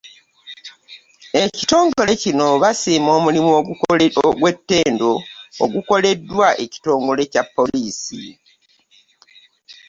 Ekitongole kino bisiima omulimu ogw’ettendo ogukoleddwa ekitongole kya Poliisi.